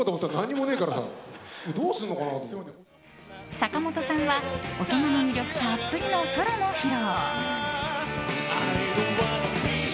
坂本さんは大人の魅力たっぷりのソロも披露！